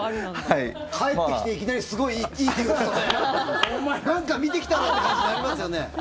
帰ってきていきなりすごい生き生き打つとお前なんか見てきたろって感じになりますよね。